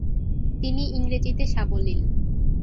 তিনি ইংরেজিতে সাবলীল।